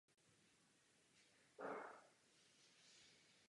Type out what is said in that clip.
Krátce nato Gertruda zemřela.